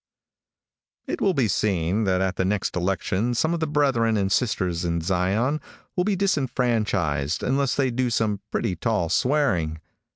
It will be seen that at the next election some of the brethren and sisters in Zion will be disfranchised unless they do some pretty tall swearing.